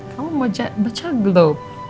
kamu mau baca globe